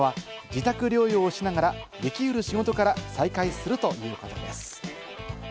退院後は自宅療養をしながら、できうる仕事から再開するということです。